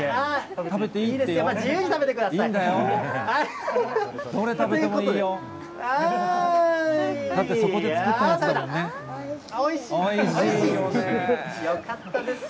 食べていいってよ。